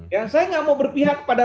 ya saya nggak mau berpihak pada